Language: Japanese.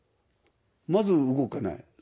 まず動けない。